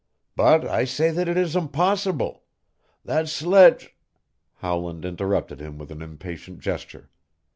But I say that it is impossible. That sledge " Howland interrupted him with an impatient gesture.